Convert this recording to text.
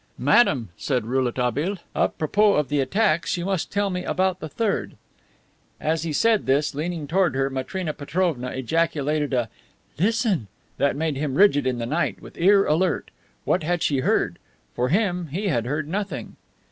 "Madame," said Rouletabille, "a propos of the attacks, you must tell me about the third." As he said this, leaning toward her, Matrena Petrovna ejaculated a "Listen!" that made him rigid in the night with ear alert. What had she heard? For him, he had heard nothing.